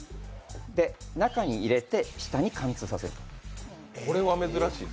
中に入れて下に貫通させる。